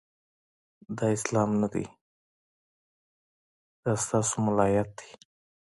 دا اسلام نه دی، د ستا سو ملایت دی